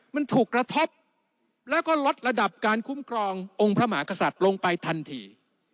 มันถูกกระทบแล้วก็ลดระดับการคุ้มครององค์พระมหากษัตริย์ลงไปทันที